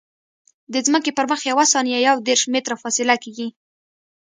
د ځمکې پر مخ یوه ثانیه یو دېرش متره فاصله کیږي